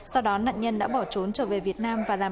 sau đó nạn nhân đã bỏ trốn trở về việt nam và làm đơn giản